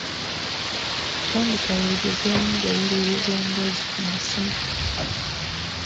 Tandika wegezeemu ng'owuliriza emboozi ku masimu